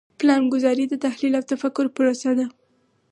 پلانګذاري د تحلیل او تفکر پروسه ده.